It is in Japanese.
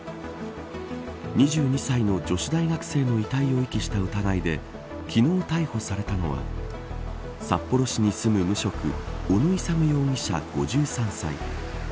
２２歳の女子大学生の遺体を遺棄した疑いで昨日逮捕されたのは札幌市に住む無職小野勇容疑者、５３歳。